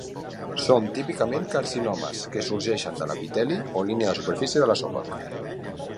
Són típicament carcinomes que sorgeixen de l'epiteli, o línia de superfície de l'esòfag.